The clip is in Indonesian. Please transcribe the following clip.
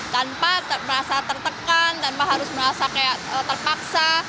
tanpa merasa tertekan tanpa harus merasa kayak terpaksa